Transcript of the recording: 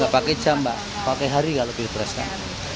pakai jam pak pakai hari kalau pilpres kan